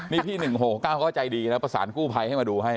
นี่พี่๑๖๙ก็ใจดีนะประสานกู้ภัยให้มาดูให้